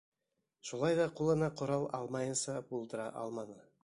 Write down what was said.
Шулай ҙа ҡулына ҡорал алмайынса булдыра алманы.